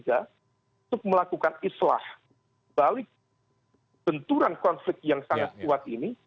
untuk melakukan islah balik benturan konflik yang sangat kuat ini